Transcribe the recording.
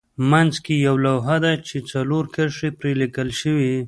منځ کې یوه لوحه ده چې څلور کرښې پرې لیکل شوې دي.